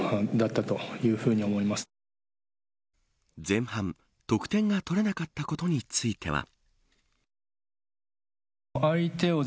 前半、得点が取れなかったことについては。